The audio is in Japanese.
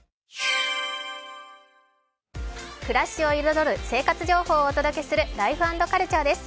暮らしを彩る生活情報をお届けする「ライフ＆カルチャー」です。